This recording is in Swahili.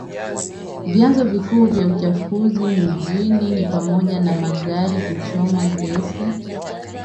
Vyanzo vikuu vya uchafuzi mijini ni pamoja na magari kuchoma gesi